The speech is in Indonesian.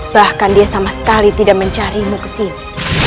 bahkan dia sama sekali tidak mencarimu ke sini